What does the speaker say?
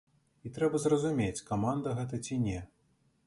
І трэба зразумець, каманда гэта ці не.